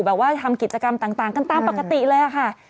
ว่าทำกิจกรรมต่างกันตามปกติเลยค่ะ